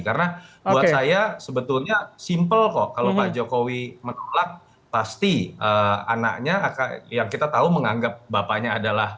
karena buat saya sebetulnya simpel kok kalau pak jokowi menolak pasti anaknya yang kita tahu menganggap bapaknya adalah